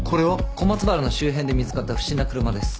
小松原の周辺で見つかった不審な車です。